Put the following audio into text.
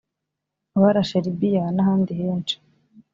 barashe Libye n’ahandi henshi